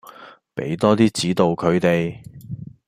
畀多啲指導佢哋